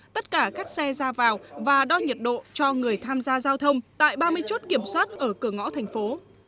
tất cả các xe ra vào và đo nhiệt độ cho người tham gia giao thông tại ba mươi chốt kiểm soát ở cửa ngõ thành phố